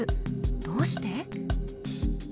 どうして？